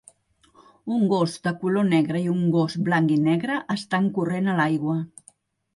Un gos de color negre i un gos blanc i negre estan corrent a l'aigua.